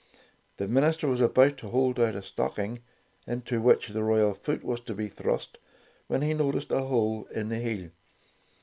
The minister was about to hold out a stocking, into which the royal foot was to be thrust, when he noticed a hole in the heel.